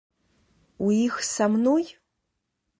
У іх са мной?